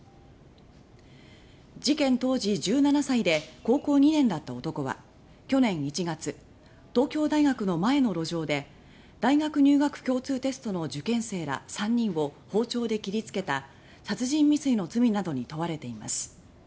事件当時１７歳で高校２年だった男は去年１月東京大学の前の路上で大学入学共通テストの受験生ら３人を包丁で切りつけた殺人未遂の罪などに問われています。